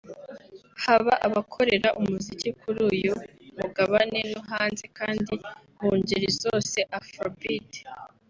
haba abakorera umuziki kuri uyu Mugabane no hanze kandi mu ngeri zose Afrobeat